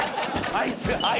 あいつが。